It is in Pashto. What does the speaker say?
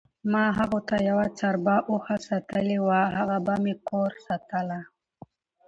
ما هغو ته یوه څربه اوښه ساتلې وه، هغه به مې کور ساتله،